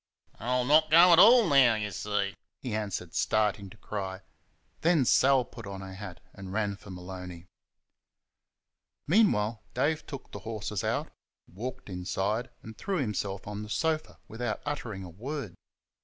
"I'll not go AT ALL now y' see!" he answered, starting to cry. Then Sal put on her hat and ran for Maloney. Meanwhile Dave took the horses out, walked inside, and threw himself on the sofa without uttering a word.